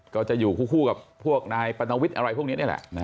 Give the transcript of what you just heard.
ก็จะอยู่คู่กับพวกนายปรณวิทย์อะไรพวกนี้นี่แหละ